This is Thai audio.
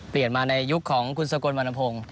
เปลี่ยนมาในยุคของคุณสกลวรรณพงศ์